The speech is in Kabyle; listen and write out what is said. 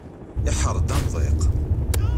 Iḥerr-d amḍiq.